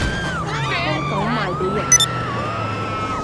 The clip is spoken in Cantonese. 偷狗賣畀人食